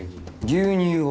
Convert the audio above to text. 牛乳を。